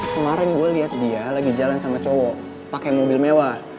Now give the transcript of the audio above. kemarin gue lihat dia lagi jalan sama cowok pakai mobil mewah